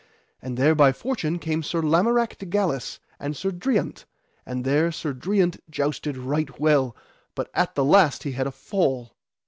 And there by fortune came Sir Lamorak de Galis and Sir Driant; and there Sir Driant jousted right well, but at the last he had a fall.